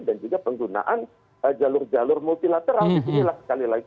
dan juga penggunaan jalur jalur multilateral